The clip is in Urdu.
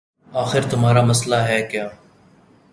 آخر تمہارا مسئلہ ہے کیا